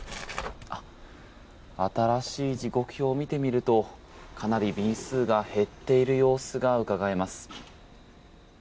新しい時刻表を見てみるとかなり便数が減っている様子がうかがえます。